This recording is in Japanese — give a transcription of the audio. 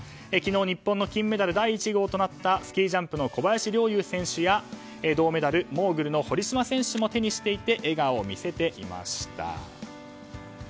昨日、日本の金メダル第１号となったスキージャンプの小林陵侑選手や銅メダル、モーグルの堀島選手も手にしていて笑顔を見せていました。